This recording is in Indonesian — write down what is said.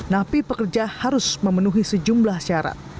napi pekerja harus memenuhi sejumlah syarat